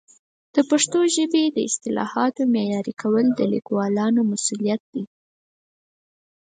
د پښتو ژبې د اصطلاحاتو معیاري کول د لیکوالانو مسؤلیت دی.